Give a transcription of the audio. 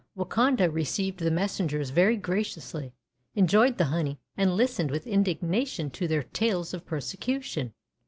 Wakonda re ceived the messengers very graciously, en joyed the honey, and listened with indigna tion to their tales of persecution.